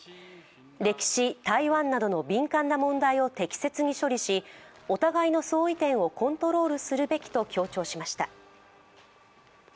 歴史、台湾などの敏感な問題を適切に処理しお互いの相違点をコントロールするべきと強調しました。